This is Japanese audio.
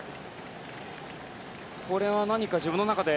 これは自分の中で。